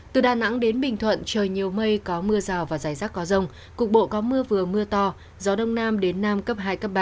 từ đà nẵng đến bình thuận trời nhiều mây có mưa rào và rải rác có rông cục bộ có mưa vừa mưa to gió đông nam đến nam cấp hai cấp ba